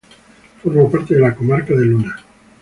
Forma parte de la comarca de Luna.